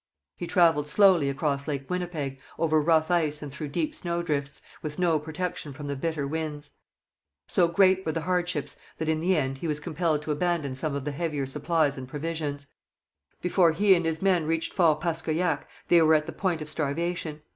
He travelled slowly across Lake Winnipeg, over rough ice and through deep snowdrifts, with no protection from the bitter winds. So great were the hardships that, in the end, he was compelled to abandon some of the heavier supplies and provisions. Before he and his men reached Fort Paskoyac they were at the point of starvation.